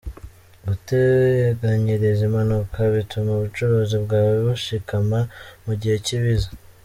Guteganyiriza impanuka bituma ubucuruzi bwawe bushikama mu gihe cy’ibiza.